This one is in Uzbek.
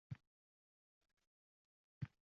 ya’ni haqiqat bandi qilingan zindonga chiroq tutdi.